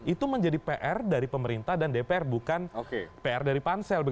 itu menjadi pr dari pemerintah dan dpr bukan pr dari pansel